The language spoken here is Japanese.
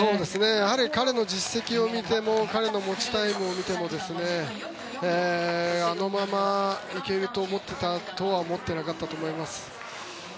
やはり彼の実績を見ても彼の持ちタイムを見てもあのまま行けると思っていたとは思っていなかったと思います。